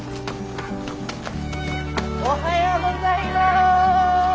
・おはようございます！